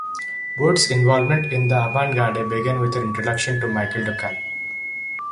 Wood's involvement in the Avant Garde began with her introduction to Marcel Duchamp.